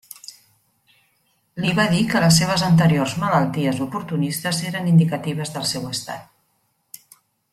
Li va dir que les seves anteriors malalties oportunistes eren indicatives del seu estat.